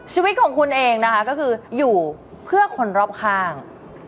ชีวิตของคุณเองนะคะก็คืออยู่เพื่อคนรอบข้าง